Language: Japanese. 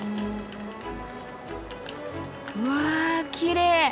うわきれい。